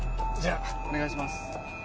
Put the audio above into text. じゃあお願いします。